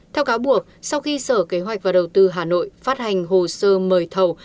theo cáo buộc sau khi sở kế hoạch và đầu tư hà nội phát hành hồ sơ mời thầu